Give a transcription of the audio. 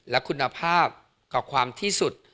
และคุณภาพกับความที่สุด